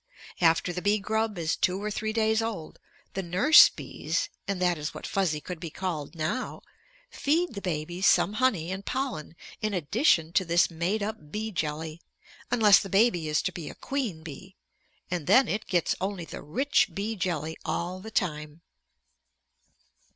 After the bee grub is two or three days old, the nurse bees and that is what Fuzzy could be called now feed the babies some honey and pollen in addition to this made up bee jelly, unless the baby is to be a queen bee, and then it gets only the rich bee jelly all the time.